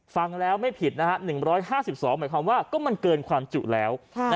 ฟังแล้วไม่ผิดนะฮะ๑๕๒หมายความว่าก็มันเกินความจุแล้ว